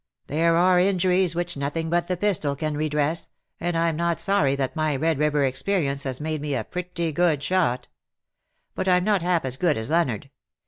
There are injuries which nothing but the pistol can redress, and I^m not sorry that my Eed River experience has made me a pretty good shot. But Vm not half as good as Leonard.